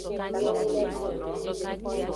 Nyonu lo bi.